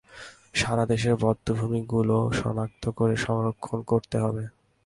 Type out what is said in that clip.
সারা দেশের বধ্যভূমিগুলো শনাক্ত করে সংরক্ষণ করতে হবে।